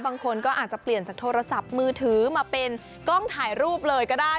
บางคนก็อาจจะเปลี่ยนจากโทรศัพท์มือถือมาเป็นกล้องถ่ายรูปเลยก็ได้